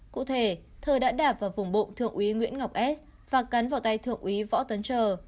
cụ thể thờ đã đạp vào vùng bộ thượng úy nguyễn ngọc s và cắn vào tay thượng úy võ tuấn trờ